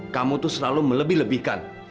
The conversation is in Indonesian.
kamu tuh selalu melebih lebihkan